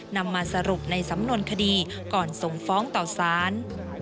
นำมาสรุปในสำนวนคดีก่อนส่งฟ้องต่อสาร